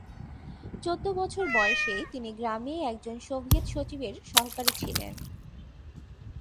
চৌদ্দ বছর বয়সে, তিনি গ্রামে একজন সোভিয়েত সচিবের সহকারী ছিলেন।